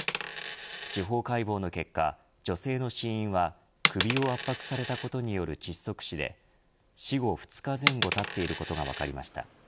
司法解剖の結果、女性の死因は首を圧迫されたことによる窒息死で死後２日前後たっていることが分かりました。